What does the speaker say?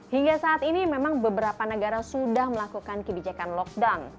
hingga saat ini memang beberapa negara sudah melakukan kebijakan lockdown